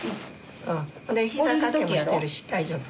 で膝掛けもしてるし大丈夫。